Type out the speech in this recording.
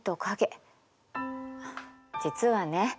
実はね